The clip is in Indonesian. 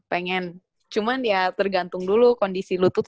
pengen cuman ya tergantung dulu kondisi lutut